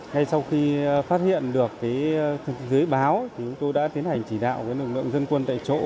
ngay sau khi phát hiện được dưới báo chúng tôi đã tiến hành chỉ đạo lực lượng dân quân tại chỗ